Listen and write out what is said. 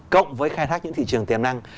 cộng với khai thác những thị trường tiềm năng